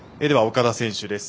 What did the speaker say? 岡田選手です。